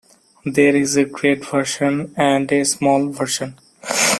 There is a great version and a small version.